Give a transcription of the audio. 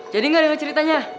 jadi gak denger ceritanya